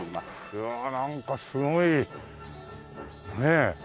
うわっなんかすごいねえ。